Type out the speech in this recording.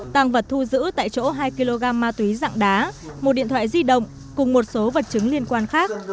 tăng vật thu giữ tại chỗ hai kg ma túy dạng đá một điện thoại di động cùng một số vật chứng liên quan khác